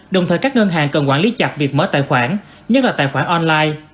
đồng thời các ngân hàng cần quản lý chặt việc mở tài khoản nhất là tài khoản online